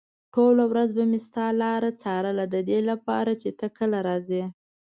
ټوله ورځ به مې ستا لاره څارله ددې لپاره چې ته کله راځې.